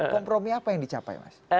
kompromi apa yang dicapai mas